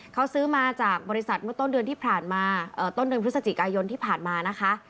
เขาซื้อมาจากบริษัทต้นเดือนพฤศจิกายนที่ผ่านมานะคะ